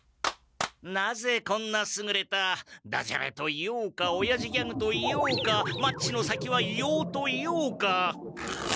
なぜこんなすぐれたダジャレと言おうかおやじギャグと言おうかマッチの先は硫黄と言おうか。